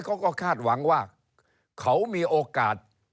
เขาก็คาดหวังว่าเขามีโอกาส